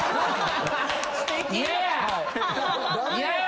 嫌や！